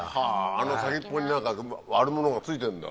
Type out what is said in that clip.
あの先っぽに何か割るものが付いてるんだ。